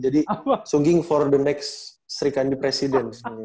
jadi sungging for the next sri kandi presiden